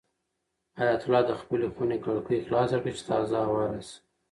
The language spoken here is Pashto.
حیات الله د خپلې خونې کړکۍ خلاصه کړه چې تازه هوا راشي.